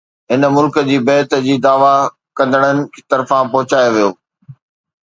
هن ملڪ جي بيعت جي دعوي ڪندڙن طرفان پهچايو ويو